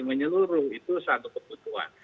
menyeluruh itu satu kebutuhan